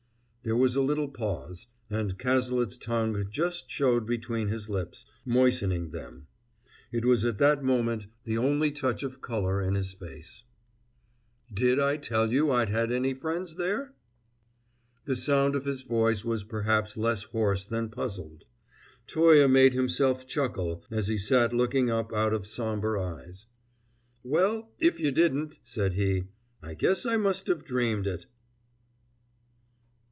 There was a little pause, and Cazalet's tongue just showed between his lips, moistening them. It was at that moment the only touch of color in his face. "Did I tell you I'd any friends there?" The sound of his voice was perhaps less hoarse than puzzled. Toye made himself chuckle as he sat looking up out of somber eyes. "Well, if you didn't," said he, "I guess I must have dreamed it!"